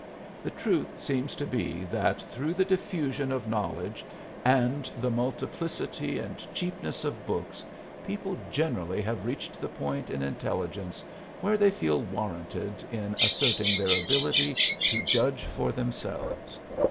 The truth seems to be that through the diffusion of knowledge and the multiplicity and cheapness of books people generally have reached the point in intelligence where they feel warranted in asserting their ability to judge for themselves.